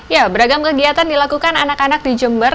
ya beragam kegiatan dilakukan anak anak di jember